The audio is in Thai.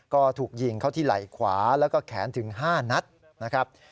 ก็ถูกยิงเข้าที่ไหล่ขวาแล้วก็แขนถึง๕นัดนะครับ